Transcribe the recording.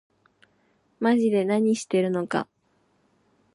まぢで何してるのか